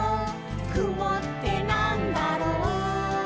「くもってなんだろう？」